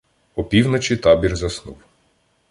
Опівночі табір заснув.